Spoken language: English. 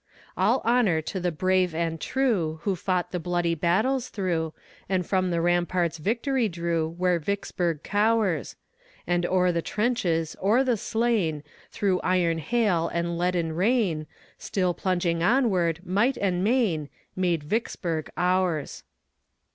All honor to the brave and true Who fought the bloody battles through, And from the ramparts victory drew Where Vicksburg cowers; And o'er the trenches, o'er the slain, Through iron hail and leaden rain, Still plunging onward, might and main, Made Vicksburg ours.